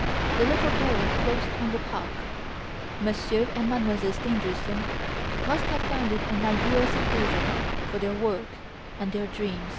The little door closed on the park. Monsieur and Mademoiselle Stangerson must have found it an ideal seclusion for their work and their dreams.